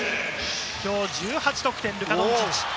きょう１８得点、ルカ・ドンチッチ。